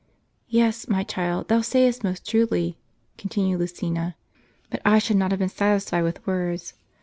"" Yes, my child, thou sayest most truly," continued Lucina. " But 1 should not have been satisfied with words.